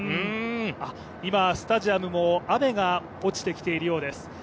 今、スタジアムも雨が落ちてきているようです。